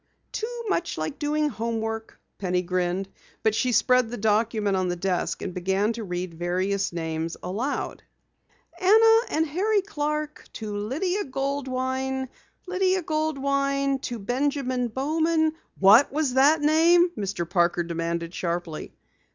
"Too much like doing home work," Penny grinned, but she spread the document on the desk and began to read various names aloud. "'Anna and Harry Clark to Lydia Goldwein, Lydia Goldwein to Benjamin Bowman '" "What was that name?" Mr. Parker demanded sharply.